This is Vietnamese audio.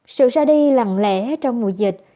sự ra đi lặng lẽ trong mùa dịch